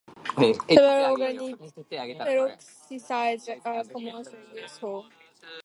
Several organic peroxyacids are commercially useful.